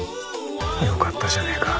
よかったじゃねえか。